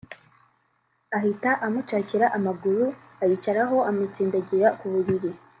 ahita amucakira amaguru ayicaraho amutsindagira ku buriri